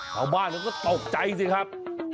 เข้าบ้านแล้วก็ตกใจสิครับ